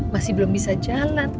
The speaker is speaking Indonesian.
masih belum bisa jalan